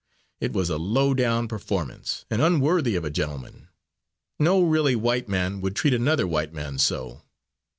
It was a low down performance, and unworthy of a gentleman. No really white man would treat another white man so.